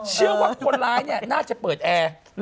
เชื่อว่าคนร้ายน่าจะเปิดแอร์